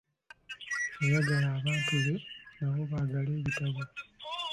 Yayagala abantu be nabo baagale ebitabo.